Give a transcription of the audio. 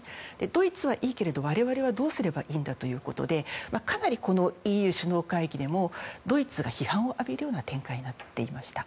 ドイツはいいけれど我々はどうすればいいんだということでかなりＥＵ首脳会議でもドイツが批判を浴びるような展開になっていました。